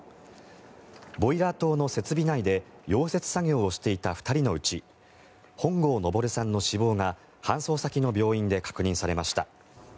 ボイラー棟の設備内で溶接作業をしていた２人のうち本郷登さんの死亡が搬送先の病院で確認されました。